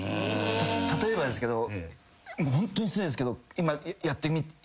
例えばですけどもうホントに失礼ですけど今。